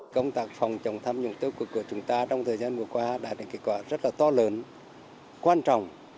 công tác phòng chống tham nhũng tiêu cực của chúng ta trong thời gian vừa qua đã được kết quả rất là to lớn quan trọng